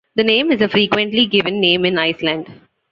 The name is a frequently given name in Iceland.